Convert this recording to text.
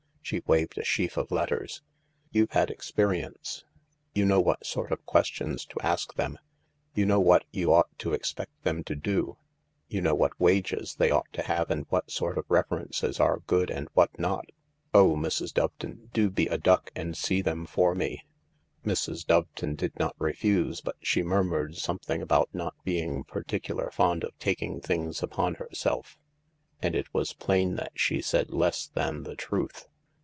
She waved a sheaf of letters. "You've had experience ; you know what sort of questions to ask them ; THE LARK 207 you know what you ought to expect them to do ; you know what wages they ought to have and what sort of references are good and what not. Oh, Mrs. Doveton, do be a duck and see them for me 1 " Mrs. Doveton did not refuse, but she murmured some thing about not being particular fond of taking things upon herself, and it was plain that she said less than the truth.